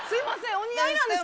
お似合いなんですけどね。